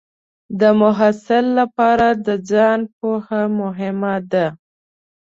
د محصل لپاره د ځان پوهه مهمه ده.